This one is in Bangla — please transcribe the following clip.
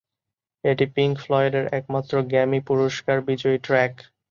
এটি পিংক ফ্লয়েডের একমাত্র গ্র্যামি পুরস্কার বিজয়ী ট্র্যাক।